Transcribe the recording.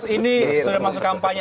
ini sudah masuk kampanye